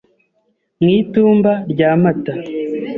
Mu itumba rya Mata